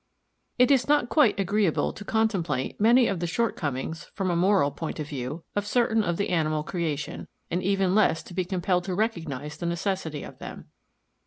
It is not quite agreeable to contemplate many of the shortcomings, from a moral point of view, of certain of the animal creation, and even less to be compelled to recognize the necessity of them.